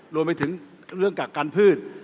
รวมไปถึงเรื่องกักกันพืช